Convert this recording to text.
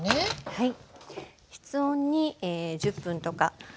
はい。